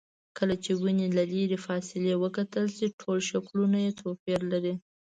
کله چې ونې له لرې فاصلې وکتل شي ټول شکلونه یې توپیر لري.